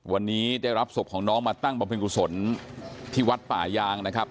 วันนี้ได้รับศพของน้องมาตั้งบำเพ็ญกุศลที่วัดป่ายางนะครับ